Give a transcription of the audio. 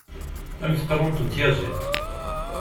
A mm tqamumt n tyaziḍt!